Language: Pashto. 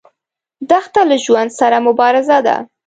دښته له ژوند سره مبارزه ده.